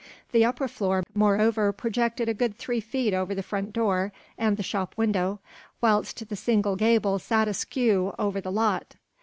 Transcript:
The upper floor moreover projected a good three feet over the front door and the shop window, whilst the single gable sat askew over the lot.